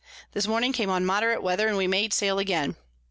This morning came on moderate Weather, and we made sail again.